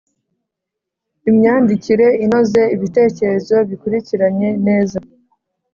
• Imyandikire inoze, ibitekerezo bikurikiranye neza.